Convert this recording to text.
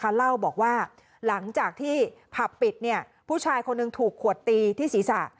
เล่าบอกว่าหลังจากที่ผับปิดผู้ชายคนหนึ่งถูกขวดตีที่ศีรษะ